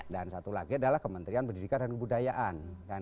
dan satu lagi adalah kementerian pendidikan dan kebudayaan